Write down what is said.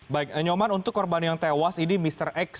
baik nyoman untuk korban yang tewas ini mr x